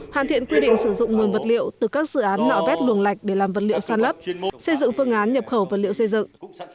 hoàn thiện quy định sử dụng nguồn vật liệu từ các dự án nọ vét luồng lạch để làm vật liệu san lấp xây dựng phương án nhập khẩu vật liệu xây dựng